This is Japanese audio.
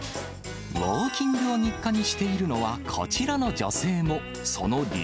ウォーキングを日課にしているのはこちらの女性も。